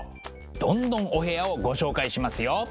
どんどんお部屋をご紹介しますよ。